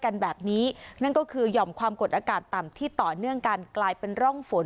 กันแบบนี้นั่นก็คือหย่อมความกดอากาศต่ำที่ต่อเนื่องกันกลายเป็นร่องฝน